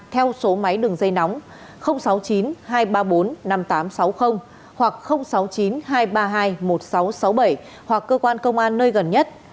theo số máy đường dây nóng sáu mươi chín hai trăm ba mươi bốn năm nghìn tám trăm sáu mươi hoặc sáu mươi chín hai trăm ba mươi hai một nghìn sáu trăm sáu mươi bảy hoặc cơ quan công an nơi gần nhất